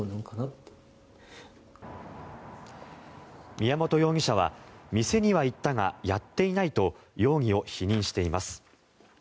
宮本容疑者は店には行ったがやっていないと容疑を否認しています。